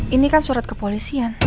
ini kan surat kepolisian